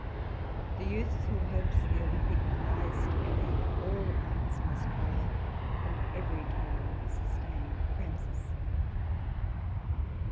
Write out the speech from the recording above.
The youth, who hopes th' Olympick prize to gain, All arts must try, and every toil sustain/' FrancIs.